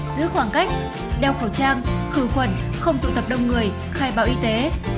giữ khoảng cách đeo khẩu trang khử khuẩn không tụ tập đông người khai báo y tế